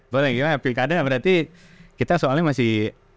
boleh berarti kita soalnya masih